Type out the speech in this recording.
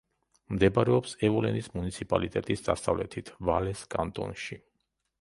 მდებარეობს ევოლენის მუნიციპალიტეტის დასავლეთით, ვალეს კანტონში.